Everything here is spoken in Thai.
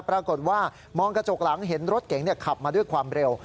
ปรากฏว่ามองกระจกหลังเห็นรถเก๋งขับมาด้วยความเร็ว